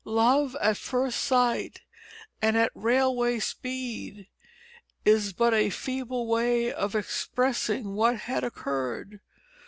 Love at first sight and at railway speed, is but a feeble way of expressing what had occurred.